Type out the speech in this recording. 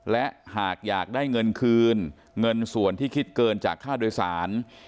และหากอยากได้เงินคืนเงินส่วนที่คิดเกินจากค่าโดยสาร